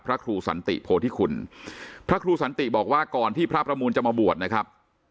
พระครูสันติโพธิคุณพระครูสันติบอกว่าก่อนที่พระประมูลจะมาบวชนะครับ